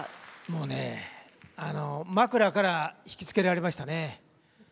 もうね枕から引き付けられましたね。